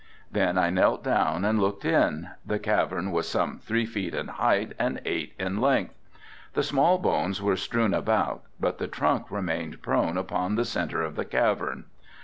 Then I knelt down and looked in, the cavern was some three feet in height and eight in length. The small bones were strewn about, but the trunk remained prone upon the centre of the cavern.